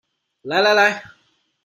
來來來